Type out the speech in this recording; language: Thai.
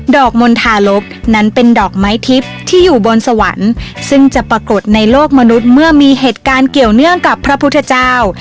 อกมณฑารกนั้นเป็นดอกไม้ทิพย์ที่อยู่บนสวรรค์ซึ่งจะปรากฏในโลกมนุษย์เมื่อมีเหตุการณ์เกี่ยวเนื่องกับพระพุทธเจ้า